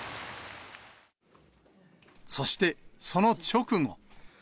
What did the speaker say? そして、その直後。